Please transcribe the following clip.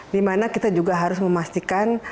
di mana kita juga harus memastikan